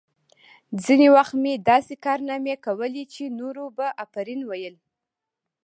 ځینې وخت مې داسې کارنامې کولې چې نورو به آفرین ویل